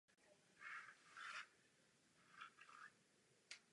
Plicní a tělní krevní oběh jsou u ptáků uspořádány stejně jako u savců.